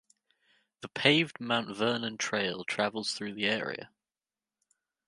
The paved Mount Vernon Trail travels through the area.